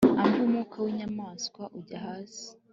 Umb umwuka w inyamaswa ujya hasi